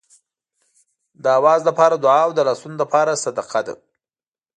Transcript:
د آواز لپاره دعا او د لاسونو لپاره صدقه ده.